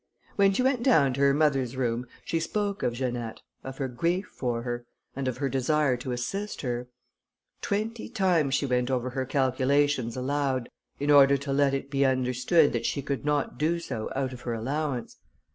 When she went down to her mother's room, she spoke of Janette, of her grief for her, and of her desire to assist her. Twenty times she went over her calculations aloud, in order to let it be understood that she could not do so out of her allowance.